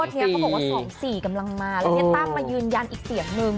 สองสี่กำลังมาแล้วเฮียตั้มมายืนยันอีกเสียงหนึ่ง